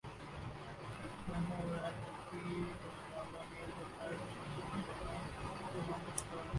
بینکوں کے غیرملکی زرمبادلہ کے ذخائر مسلسل زوال کا شکار